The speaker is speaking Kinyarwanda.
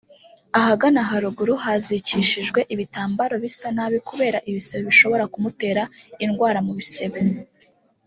ahagana haruguru hazikishije ibitambaro bisa nabi kubera ibisebe bishobora kumutera indwara mu bisebe